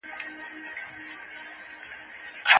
مادي ژبه اړیکې اسانه کوي.